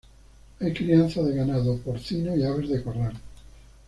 Hay crianza de ganado porcino y aves de corral.